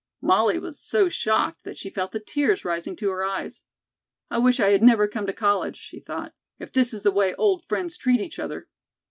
Molly was so shocked that she felt the tears rising to her eyes. "I wish I had never come to college," she thought, "if this is the way old friends treat each other."